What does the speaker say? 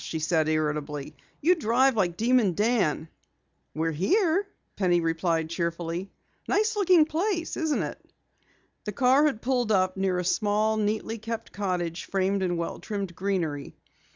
she said irritably. "You drive like Demon Dan!" "We're here," replied Penny cheerfully. "Nice looking place, isn't it?" The car had pulled up near a small, neatly kept cottage framed in well trimmed greenery.